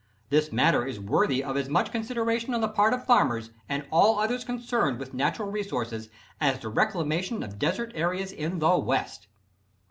This matter is worthy of as much consideration on the part of farmers, and all others concerned with national resources, as the reclamation of desert areas in the West.